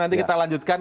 nanti kita lanjutkan